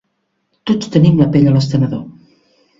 Tots tenim la pell a l'estenedor.